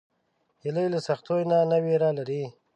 هیلۍ له سختیو نه نه ویره لري